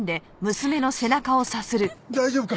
大丈夫か！？